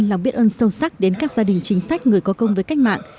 lòng biết ơn sâu sắc đến các gia đình chính sách người có công với cách mạng